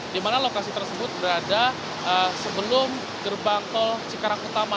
di mana lokasi tersebut berada sebelum gerbang tol cikarang utama